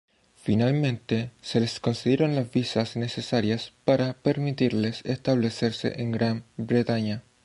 Finalmente se les concedieron las visas necesarias para permitirles establecerse en Gran Bretaña.